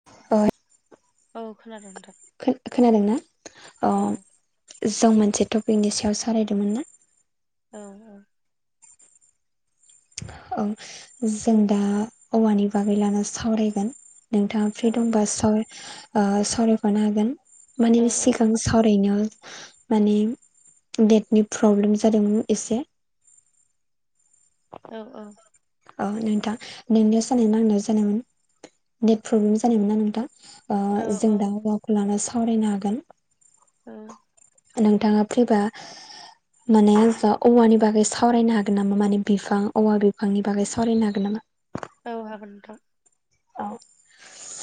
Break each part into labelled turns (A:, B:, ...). A: [unintelligible]
B: औ खोनादों नोंथां
A: खोनादोंना अ
B: औ
A: जों मोनसे टपिकनि सायाव सालरायदोंमोनना
B: ओ ओ
A: ओं जों दा औवानि बागै लाना सावरायगोन नोंथांङा फ्रि
B: औ
A: दंबा सालराय सावरायफनो हागोन माने
B: औ
A: सिगां सावरायनायाव माने नेटनि प्रब्लेम जादोंमोन एसे
B: औ औ
A: अ नोंथां नोंनियावसो जानाय ना आंनियावसो जानायोमोन नेट प्रब्लेम जानायमोनना नोंथां? अ जों
B: औ
A: दा औवाखौ लानो सावरायनो हागोन।
B: ओ
A: नोंथाङा फ्रिबा माने औवानि बागै सावरायनो हागोन नामा माने बिफां औवा बिफांनि बागै सावरायनो हागोन नामा?
B: औ हागोन नोंथां [inaudible]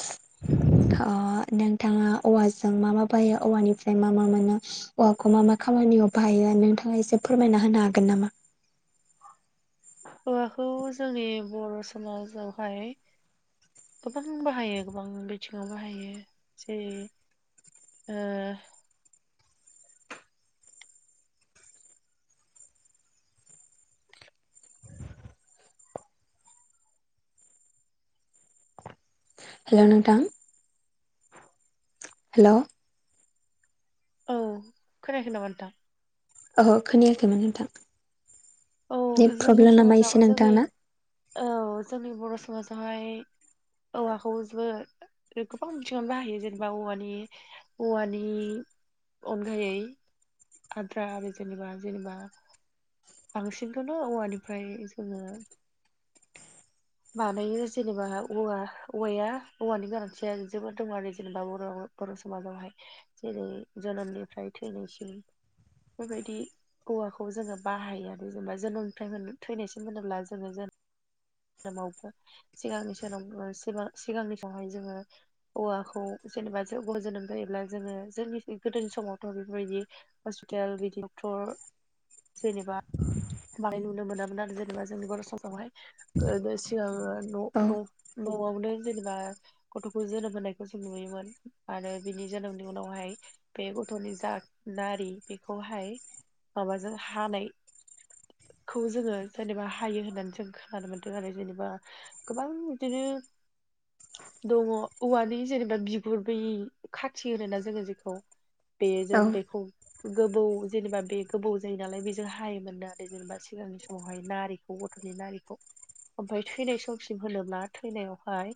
A: अ नोंथाङा औवाजों मा मा बायो औवानिफ्राय मा मा मोनो? औवाखौ मा मा खामानियाव बाहायो नोंथाङा एसे फोरमायना होनो हागोन नामा?
B: औवाखौ जोंनि बर' समाजावहाय गोबां बाहायो गोबां बिथिङाव बाहायो जेरै ओ
A: हेलौ नोंथां हेलौ
B: औ खोनायाखै नामा नोंथां?
A: ओहो खोनायाखैमोन नोंथां
B: औ
A: नेट
B: जोंनि
A: प्रब्लेम नामा
B: समाजाव
A: एसे
B: जोंनि
A: नोंथांना?
B: औ जोंनि बर' समाजावहाय औवाखौ जों गोबां बिथिंयावनो बाहायो जेनेबा औवानि औवानि अनगायै आद्रा आरो जेनेबा जेनेबा बांसिनखौनो औवानिफ्राय जोङो बानायो जेनेबा औवा औवाया औवानि गोनांथिया जोबोद दं आरो जेनेबा बर'आव बर' समाजावहाय जेरै जोनोमनिफ्राय थैनायसिम बेबायदि औवाखौ जोङो बाहायो आरो। जेनेबा जोनोमनिफ्राय थैनायसिम होनोब्ला जोङो जोनोम माव सिगांनिसोनाम सिगांनि समहाय जोङो औवाखौ जेनेबा जोगआव जोनोम जायोब्ला जोङो जोंनि गोदोनि समावथ' बेफोरबायदि हस्पिटेल बिदि डक्थर जेनेबा माहाय नुनो मोनामोन आरो जेनेबा जोंनि बर' समाजावहाय गोदो सिगाङो न'
A: औ
B: न' न'आवनो जेनेबा गथ'खौ जोनोम होनायखौ जों नुयोमोन आरो बिनि जोनोमनि उनावहाय बे गथ'नि जा नारि बेखौहाय माबाजों हानाय खौ जोङो जेनेबा हायो होननानै जों खो नानो मोनदों आरो जेनेबा गोबां बिदिनो दङ औवानि जेनेबा बिगुर बै खाथि होनोना जोङो जेखौ बेयो जों
A: औ
B: बेखौ गोबौ जेनेबा बे गोबौ जायो नालाय बेजों हायोमोनो आरो जेनेबा सिगांनि समावहाय नारि खौ गथ'नि नारिखौ ओमफाय थैनाय समसिम होनोब्ला थैनायावहाय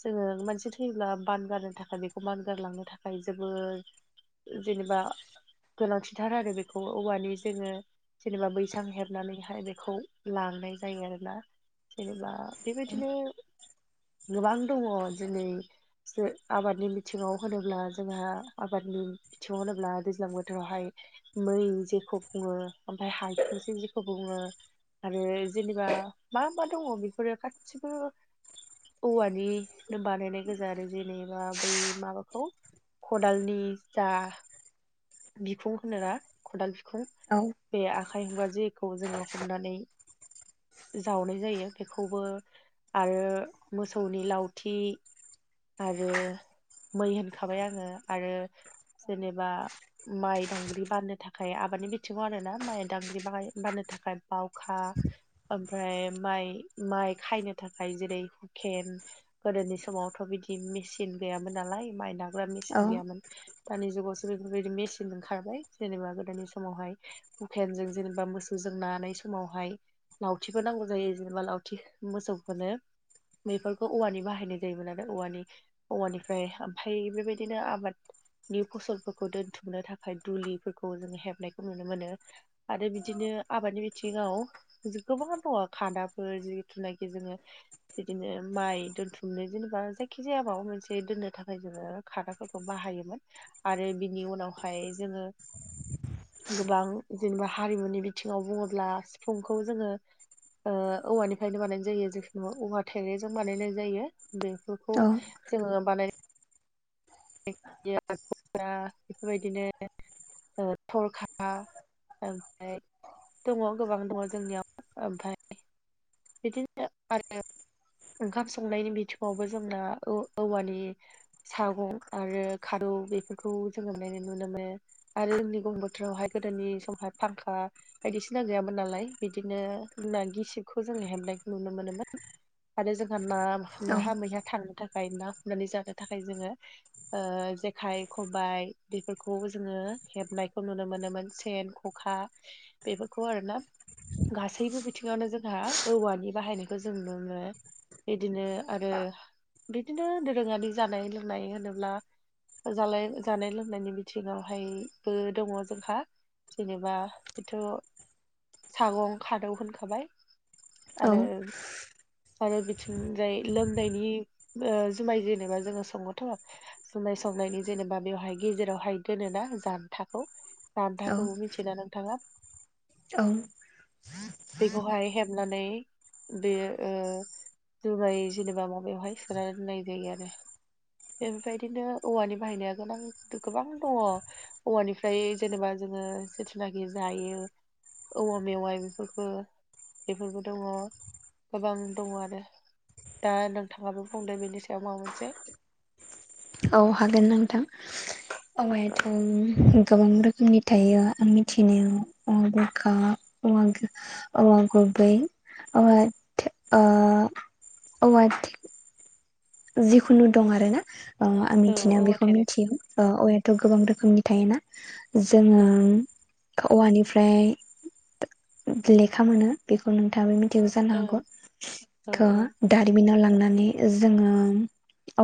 B: जोङो मानसि थैब्ला बान गारनो थाखाय बेखौ बानगारलांनो थाखाय जोबोद जेनेबा गोनांथिथार आरो बेखौ औवानि जोङो जेनेबा बैसां हेबनानैहाय बेखौ लांनाय जायो आरोना। जेनेबा बेबायदिनो गोबां दङ दिनै जो आबादनि मिथिङाव होनोब्ला जोंहा आबादनि बिथिङाव होनोब्ला दैज्लां बोथोरावहाय मै जेखौ बुङो ओमफ्राय हायसुं जेखौ बुङो आरो जेनेबा मा मा दङ बेफोरो गासिबो औवानिनो बानायनाय गोजा आरो जेनेबा बै माबाखौ खदालनि जा बिखुं होनोना खदाल बिखुं
A: औ
B: बे आखाइ हुबा जेखौ जोंङो हमनानै जावनाय जायो बेखौबो आरो मोसौनि लावथि आरो मै होनखाबाय आंङो आरो जेनेबा माइ दांग्रि बाननो थाखाय आबादनि बिथिंङाव आरो ना माइ दांग्रि बनो थाखाय बावखा ओमफ्राय माइ माइ खायनो थाखाय जेरै हुकेन गोदोनि समावथ' बिदि मेचिन गैयामोन नालाय माइ दां
A: औ
B: मेसिन गैयामोन दानि जुगावसो बेफोरबायदि मेचनजों खारबाय जेनेबा गोदोनि समावहाय हुखेनजों जेनेबा मोसौजों नानाय समावहाय लावथिबो नांगौ जायो जेनेबा लावथि मोसौ होनो बेफोरखौ औवानि बाहायनाय जायोमोन नाथाय औवानि औवानिफ्राय ओमफ्राय बेबायदिनो आबादनि फसलफोरखौ दोनथुम नो थाखाय दुलिफोरखौ जों हेबनायखौ नुनो मोनो आरो बिदिनो आबादनि बिथिङाव गोबां दङ खादाफोर जिथुनाखि जोंङो बिदिनो माइ दोनथुमनो जेनेबा जायखिजाया माबा मोनसे दोननो थाखाय जोंङो खादाफोरखौ बाहायोमोन आरो बिनि उनावहाय जोंङो गोबां जेनेबा हारिमुनि बिथिंङाव बुङोब्ला सिफुंखौ जोंङो ओ औवानिफ्रायनो बानायनाय जायो जखुनु औवा थाइेजों बानायनाय जायो बे फोरखौ
A: औ
B: जोंङो बानाय [unintelligible] बेफोरबायदिनो ओ थरखा ओमफ्राय दङ गोबां दंङो जोंनियाव ओमफ्राय बिदिनो आरो ओंखाम संनायनि बिथिङावबो जोंना औवानि सागं आरो खादौ बेफोरखौ जोंङो नायनो नुनो मोनो आरो [unintelligible] बोथोरावहाय गोदोनि समहाय फांखा बायदिसिना गैयामोन नालाय बिदिनो जोंना गिसि खौ जोंङो हेबनायखौ नुनो मोनोमोन आरो जोंहा
A: औ
B: नाहा मैहा थांनो थाखाय ना हमनानै जानो थाखाय जोंङो जेखाय खबाय बेफोरखौ जोंङो हेबनायखौ नुनो मोनोमोन सेन बेफोरखौ आरोना गासैबो बिथिङावनो जों जोंहा औवानि बाहायनायखौ जों मोनो बिदिनो आरो बिदिनो दोरोंङारि जानाय लोंनाय होनोब्ला जानाय जानाय लोंनायनि बिथिंङावहायबो दंङो जोंहा जेनेबा बेथ' सागं खादौ होनखाबाय
A: औ
B: आरो आरो बिथिं जाय लोंनायनि जुमाय जेनेबा जोंङो संङोथ' संनाय संनायनि जेनेबा बेवहाय गेजेरावहाय दोनोना जान्थाखौ
A: औ
B: जान्थाखौबो मिथिना नोंथांङा
A: औ
B: बेखौहाय हेबनानै बे ओ जुमाइ जेनेबा माबायावहाय सोना दोननाय जायो आरो बे बेबायदिनो औवानि बाहायनाया गोनां गोबां दंङो औवानिफ्राय जेनेबा जोंङो जेथुनाखि जायो औवा मेवाइ बेफोरखौ बेफोरबो दंङो गोबां दंङो आरो दा नोंथाङाबो बुंदो बेनि सायाव माबा मोनसे
A: औ हागोन नोंथां औवायाथ' गोबां रोखोमनि थायो आं मिथिनायाव औवा बुरखा औवा औवा गुबै औवा ओ [unintelligible] जिखुनु दं आरोना ओ आं
B: औ
A: मिथिनायाव
B: औवा
A: बेखौ
B: थेरे
A: मिथियो ओ औवायाथ' गोबां रोखोमनि थायोना? जोङो
B: औ
A: औवानिफ्राय लेखा मोनो बेखौ नोंथाङाबो मि थिगौ जानो
B: औ
A: हागौ
B: औ
A: थ' दारिमिनाव लांनानै जोङो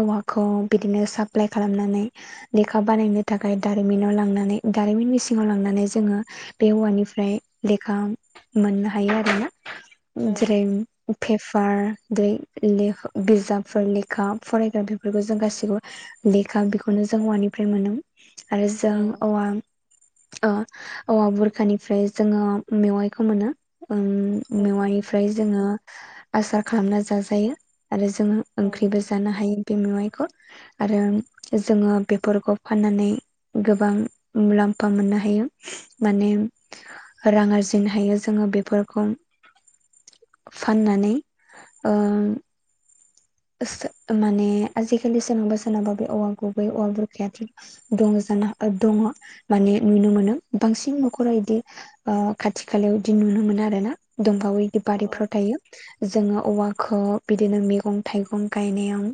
A: औवाखौ बिदिनो साप्लाय खालामनानै लेखा बानायनो थाखाय दारिमिनाव लांनानै दारिमिननि मिसिङाव लांनानै जोङो बे औवानिफ्राय लेखा मोननो हायो आरोना।
B: औ
A: जेरै पेपार जेरै लेख बिजाब फोर लेखा फरायग्रा बेफोरखौ जों गासैखौबो लेखा बेखौनो जों औवानिफ्राय मोनो। आरो
B: औ
A: जों औवा अ औवा बुरखानिफ्राय जोङो मेवाइखौ मोनो‌।
B: औ औ
A: मेवाइनिफ्राय जोङो आसार खालामना जाजायो आरो जों
B: औ
A: ओंख्रिबो जानो हायो बे मेवाइखौ आरो जोङो बेफोरखौ फाननानै गोबां मुलाम्फा मोननो हायो माने रां आरजिनो हायो जोङो बेफोरखौ फाननानै ओ सो माने आजिखालि सोरनावबा सोरनावबा बे औवा गुबै औवा बुरखायाथ' दं जानो दङ माने नुनो मोनो बांसिन नखराव इदि ओ खाथि खालायाव इदि नुनो मोनो आरोना दंफावै
B: औ
A: बारिफ्राव थायो जोङो औवाखौ बिदिनो मेगं थाइगं गायनायाव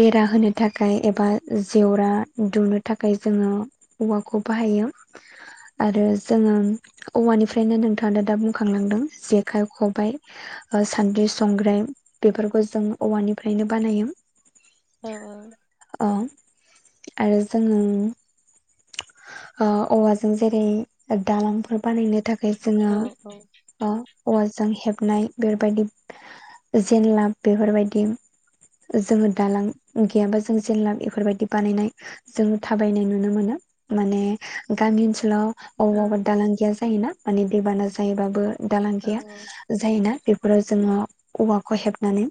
A: बेरा होनो थाखाय एबा जेवरा दुनो थाखाय जोङो औवाखौ बाहायो आरो जोङो औवानिफ्रायनो नोंथाङा दा दा बुंखांलांदों जेखाइ, खबाइ ओ सान्द्रि, संग्राइ बेफोरखौ जों औवानिफ्रायनो बानायो
B: औ
A: औ आरो जोङो ओ औवाजों जेरै दालांफोर बानायनो था खाम जोङो
B: औ
A: ओ औवाजों हेबनाय बेफोरबायदि जेनलाब बेफोरबायदि जोङो दालां गैयाबा जों जेनलाब इफोरबायदि बानायनाय। जोङो थाबायनाय नुनो मोनो माने गामि ओनसोलाव अबा अबा दालां गैया जायोना माने दैबाना जायोबाबो दालां गैया। जायोना बेफोराव जोङो औवाखौ हेबनानै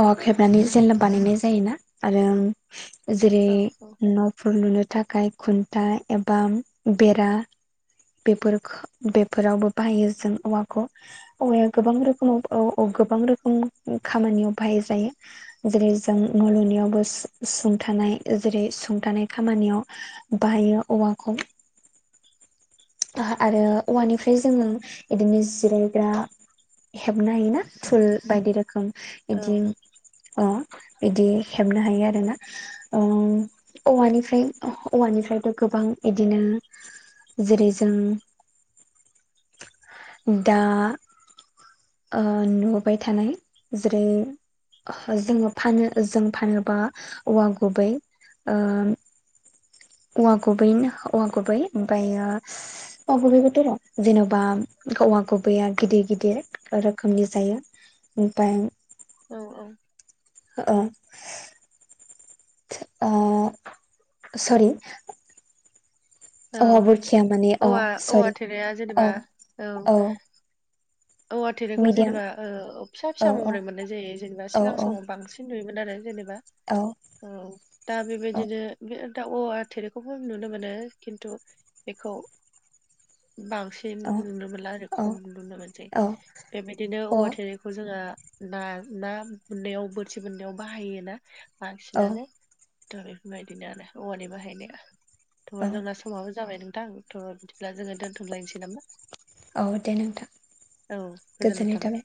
A: औवाखौ हेबनानै जेनलाब बानायनाय जायोना आरो जेरै न'फोर लुनो थाखाय खुन्था एबा बेरा बेफोरखो बेफोरावबो बाहायो जों औवाखौ औवाया गोबां रोखोमाव औ औ गोबां रोखोम खामानियाव बाहाय जायो। जेरै जों न' लुनायावबो सुं सुंथानाय जेरै सुंथानाय खामानियाव बाहायो औवाखौ। आरो औवानिफ्राय जोङो इदिनो जिरायग्रा हेबनो हायोना थुल बायदि रोखोम
B: औ
A: इदि अ बिदि हेबनो हायो आरोना। औ औवानिफ्राय औवानिफ्रायथ' गोबां इदिनो जेरै जों दा ओ नुबाय थानाय जेरै जोङो फानो जों फानोबा औवा गुबै ओ औवा गुबै औवा गुबै ओमफ्रायो औवा गुबैखोथ' र' जेनबा औवा गुबैया गिदिर गिदिर रोखोमनि जायो ओमफाय
B: औ।
A: अ। ओ सरि
B: औ
A: औवा बुरखिया माने अ
B: ओवा औवा
A: सरि
B: थेरेया
A: औ
B: जेनेबा औ औवा थेरेखौ
A: मिडियाम
B: जेनेबा फिसा
A: औ
B: फिसा
A: औ
B: महरै मोननाय जायो जेनेबा
A: औ
B: सिगां समाव बांसिन नुयोमोन आरो जेनेबा।
A: औ।
B: औ दा
A: औ
B: बेबायदिनो बे दा औ थेरेखौबो नुनो मोनो किन्थु बेखौ बांसिन
A: औ
B: लुनो मोनला आरो
A: औ
B: खम लुनो मोनसै। बेबायदिनो औवा
A: औ
B: थेरेखौ जोङो ना ना मोननायाव बोरथि मोननायाव बाहायो ना?
A: औ
B: बांसिनानो था बेफोरबायदिनो आरो औवानि बाहायनाया थेवा
A: औ
B: जोंना समाबो जाबाय नोंथां थ' बिदिब्ला जोङो दोनथुमलायनोसै नामा?
A: औ दे नोंथां।
B: औ गोजोननाय थाबाय।